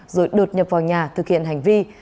rồi đột nhập vào nhà thực hiện hành vi